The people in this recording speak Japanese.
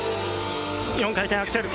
４回転アクセル。